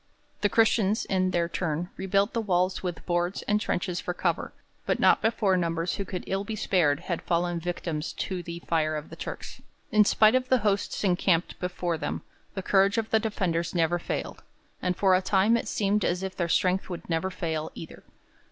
The Christians, in their turn, rebuilt the walls with boards and trenches for cover, but not before numbers who could ill be spared had fallen victims to the fire of the Turks. In spite of the hosts encamped before them, the courage of the defenders never failed, and for a time it seemed as if their strength would never fail either.